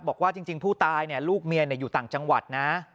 บอกว่าจริงผู้ตายลูกเมียอยู่ต่างจังหวัดนะ